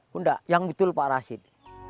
bunda yang betul pak rashid